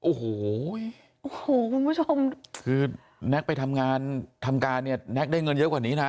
โอ้โหโอ้โหคุณผู้ชมคือแน็กไปทำงานทำการเนี่ยแน็กได้เงินเยอะกว่านี้นะ